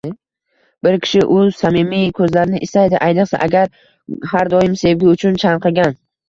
Bir kishi u samimiy so'zlarini istaydi, ayniqsa, agar, har doim sevgi uchun chanqagan